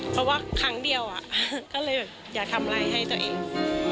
เพราะว่าครั้งเดียวก็เลยแบบอย่าทำอะไรให้ตัวเอง